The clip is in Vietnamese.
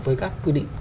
với các quy định